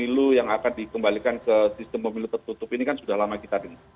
pemilu yang akan dikembalikan ke sistem pemilu tertutup ini kan sudah lama kita dengar